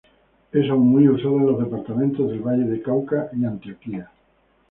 Es aún muy usada en los departamentos del Valle del Cauca y Antioquia.